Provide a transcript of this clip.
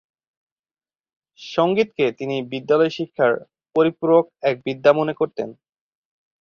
সংগীতকে তিনি বিদ্যালয়-শিক্ষার পরিপূরক এক বিদ্যা মনে করতেন।